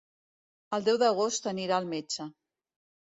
El deu d'agost anirà al metge.